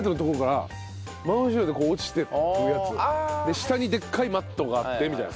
下にでっかいマットがあってみたいな。